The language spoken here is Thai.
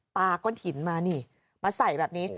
ก้นหินมานี่มาใส่แบบนี้